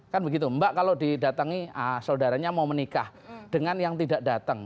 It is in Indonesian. kan begitu mbak kalau didatangi saudaranya mau menikah dengan yang tidak datang